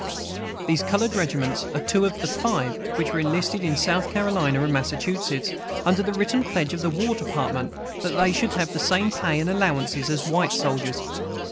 These colored regiments are two of the five which were enlisted in South Carolina and Massachusetts, under the written pledge of the War Department that they should have the same pay and allowances as white soldiers.